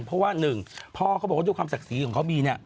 เพราะว่าหนึ่งพ่อเขาบอกว่าด้วยความศักดิ์ศรีของเขามีเนี่ย